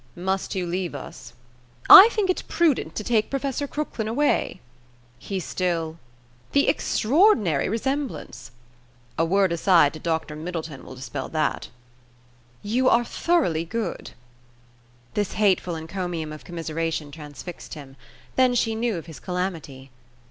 "Must you leave us?" "I think it prudent to take Professor Crooklyn away." "He still ...?" "The extraordinary resemblance!" "A word aside to Dr. Middleton will dispel that." "You are thoroughly good." This hateful encomium of commiseration transfixed him. Then she knew of his calamity!